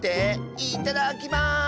いただきます！